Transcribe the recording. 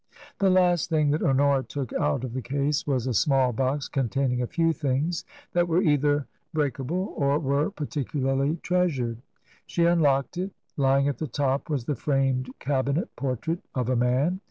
The last thing that Honora took out of the case was a small box containing a few things that were either break able or were particularly treasured. She unlocked it. Lying at the top was the framed cabinet portrait of a man.